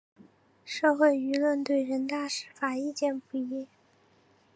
社会舆论对人大释法意见不一。